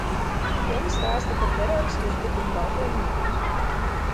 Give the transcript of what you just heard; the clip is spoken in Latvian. Filma stāsta par teroristu uzbrukumu Baltajam namam.